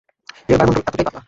এর বায়ুমন্ডল এতটাই পাতলা।